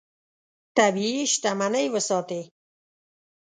طبیعي شتمنۍ وساتې.